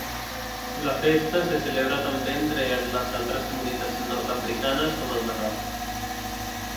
La festa se celebra també entre les altres comunitats nord-africanes, com al Marroc.